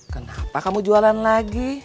kenapa kamu jualan lagi